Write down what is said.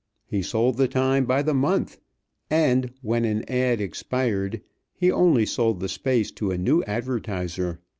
He sold the time by the month; and, when an ad. expired, he only sold the space to a new advertiser.